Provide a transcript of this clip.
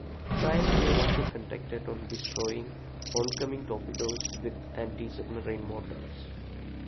Trials were also conducted on destroying oncoming torpedoes with anti-submarine mortars.